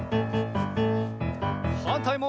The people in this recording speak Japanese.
はんたいも。